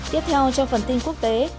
tiếp theo cho phần tin quốc tế